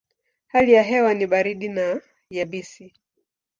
Hali ya hewa ni baridi na yabisi.